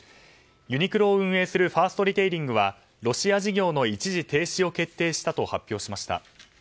ユニクロを運営するファーストリテイリングはロシア事業の一時停止を決定したと発表しました。